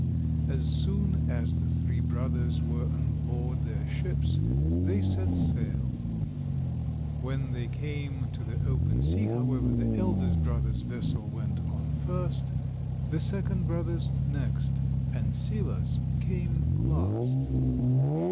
As soon as the three brothers were on board their ships they set sail. When they came to the open sea, however, the eldest brother's vessel went on first, the second brother's next, and Sila's came last.